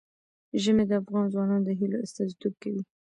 ژمی د افغان ځوانانو د هیلو استازیتوب کوي.